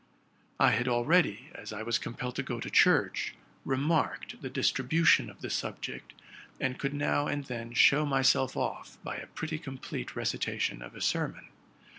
I had already, as I was compelled to go to church, remarked the distribution of the subject, and could uow and then show myself off by a pretty complete recitation of a sermon.